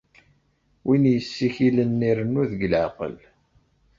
Win yessikilen irennu deg leɛqel.